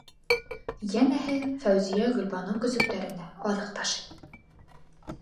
Йәнәһе, Фәүзиә Гөлбаныу көсөктәренә аҙыҡ ташый!